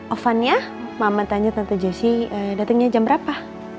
ovan ya mama tanya tante jessy datangnya jam berapa